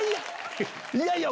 いやいや！